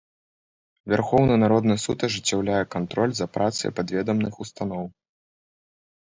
Вярхоўны народны суд ажыццяўляе кантроль за працай падведамных устаноў.